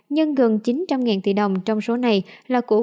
nhưng gần chín trăm linh tỷ đồng trong số này là của